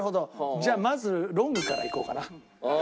じゃあまずロングからいこうかな。